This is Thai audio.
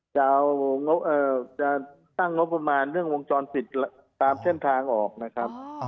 จะตั้งงบประมาณเรื่องวงจรปิดตามเส้นทางออกนะครับ